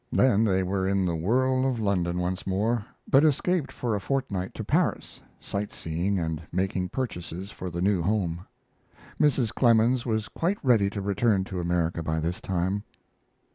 Then they were in the whirl of London once more, but escaped for a fortnight to Paris, sight seeing and making purchases for the new home. Mrs. Clemens was quite ready to return to America, by this time.